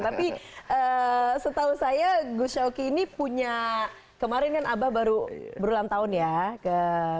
tapi setahu saya gus shawky ini punya kemarin kan abah baru berulang tahun ya ke tujuh puluh enam